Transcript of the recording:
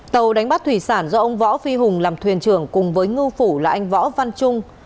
tàu đánh bắt thủy sản do ông võ phi hùng làm thuyền trưởng cùng với ngư phủ là anh võ văn trung